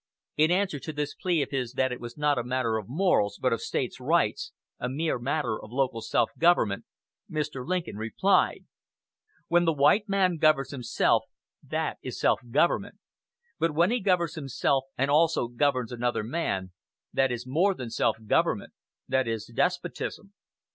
In answer to this plea of his that it was not a matter of morals, but of "State rights" a mere matter of local self government Mr. Lincoln replied, "When the white man governs himself that is self government; but when he governs himself and also governs another man, that is more than self government that is despotism."